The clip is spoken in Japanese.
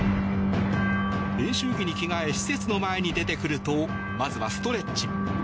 練習着に着替え施設の前に出てくるとまずはストレッチ。